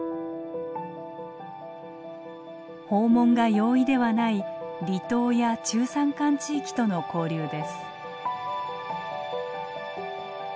訪問が容易ではない離島や中山間地域との交流です。